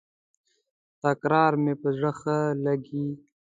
تکرار مي پر زړه ښه لګیږي.